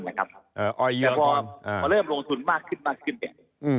แต่พอเริ่มลงทุนมากขึ้นเนี่ย